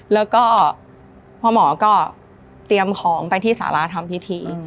แล้วก็พ่อหมอก็เตรียมของไปที่สาราทำพิธี